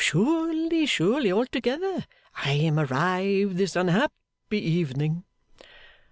'Surely, surely, altogether. I am arrived this unhappy evening.